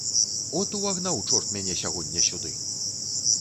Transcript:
От увагнаў чорт мяне сягоння сюды!